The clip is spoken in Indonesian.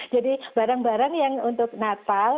jadi barang barang yang untuk natal